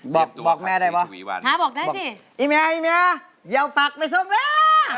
บอกแม่ได้หรือเปล่าถ้าบอกได้สิไอ้แม่ไอ้แม่อย่าเอาตักไปซ่อมแม่